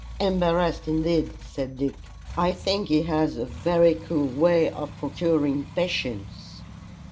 "Embarrassed indeed!" said Dick. "I think he has a very cool way of procuring patients.